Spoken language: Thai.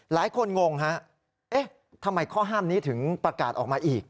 งงฮะเอ๊ะทำไมข้อห้ามนี้ถึงประกาศออกมาอีก